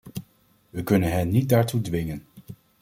We kunnen hen niet daartoe dwingen.